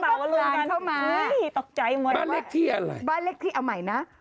บ้านเล็กที่อะไรบ้านเล็กที่เอาใหม่นะ